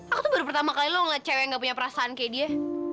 aku tuh baru pertama kali nolong ke cewek yang gak punya perasaan kayak dia